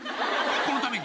このために？